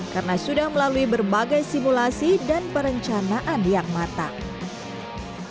karena sudah melalui berbagai simulasi dan perencanaan yang matang